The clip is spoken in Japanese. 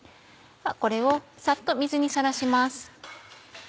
これをサッと水にさらします。